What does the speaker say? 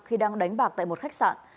khi đang đánh bạc tại một khách sạn